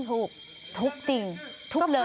ทุบทุบจริงทุบเลย